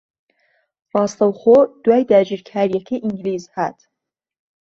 ڕاستەوخۆ دوای داگیرکارییەکەی ئینگلیز ھات